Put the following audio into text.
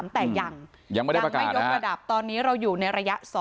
แต่ยังไม่ยกระดับตอนนี้เราอยู่ในระยะ๒